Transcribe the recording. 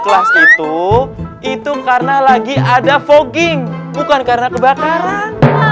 kelas itu itu karena lagi ada fogging bukan karena kebakaran